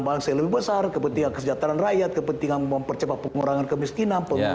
bangsa yang lebih besar kepentingan kesejahteraan rakyat kepentingan mempercepat pengurangan kemiskinan